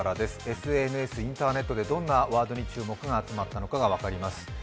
ＳＮＳ、インターネットでどんなワードに注目が集まったのかかが分かります。